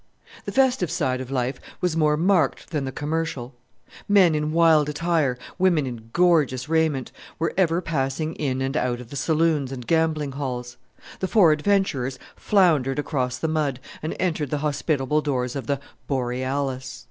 The festive side of life was more marked than the commercial. Men in wild attire, women in gorgeous raiment, were ever passing in and out of the saloons and gambling halls. The four adventurers floundered across the mud and entered the hospitable doors of the Borealis.